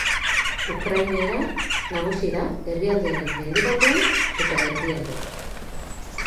Ukrainera nagusi da herrialdearen mendebaldean eta erdialdean.